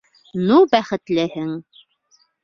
Ну, бәхетлеһең!